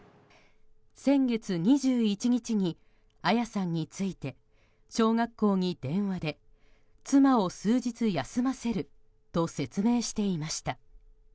先月２１日に彩さんについて小学校に電話で妻を数日休ませると説明していました。